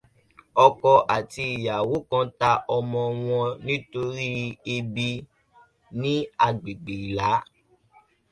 Ọkọ àti ìyàwó kan ta ọmọ wọn nítorí ebi ní agbègbè Ìlá.